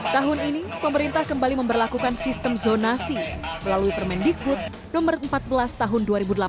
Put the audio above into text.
tahun ini pemerintah kembali memperlakukan sistem zonasi melalui permendikbud no empat belas tahun dua ribu delapan belas